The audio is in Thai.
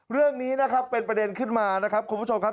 เรื่องนี้นะครับเป็นประเด็นขึ้นมานะครับคุณผู้ชมครับ